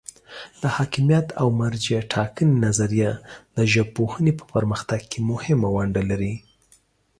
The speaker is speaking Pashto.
د حاکمیت او مرجع ټاکنې نظریه د ژبپوهنې په پرمختګ کې مهمه ونډه لري.